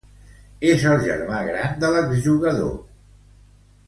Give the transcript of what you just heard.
És el germà gran de l'exjugador Danny Sculthorpe.